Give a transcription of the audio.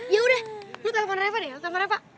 yaudah lu telepon repa deh lu telepon repa